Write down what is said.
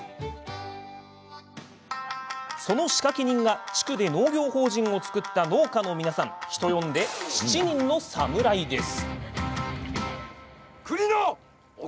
その仕掛け人が、地区で農業法人を作った農家の皆さん人呼んで、七人の侍です。